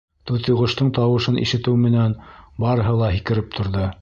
Тутыйғоштоң тауышын ишетеү менән барыһы ла һикереп торҙо.